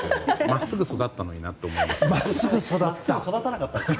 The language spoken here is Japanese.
真っすぐ育ったのになと思いました。